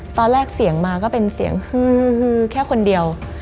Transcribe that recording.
ตอนแรกเสียงมาก็เป็นเสียงฮือแค่คนเดียว